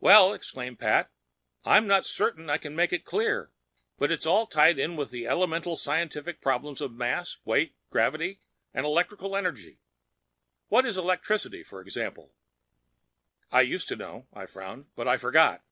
"Well," explained Pat, "I'm not certain I can make it clear, but it's all tied in with the elemental scientific problems of mass, weight, gravity and electric energy. What is electricity, for example—" "I used to know," I frowned. "But I forget."